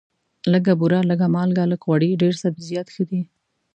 لږه بوره، لږه مالګه، لږ غوړي، ډېر سبزیجات ښه دي.